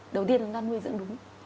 đầu tiên chúng ta nuôi dưỡng đúng